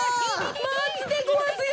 まつでごわすよ！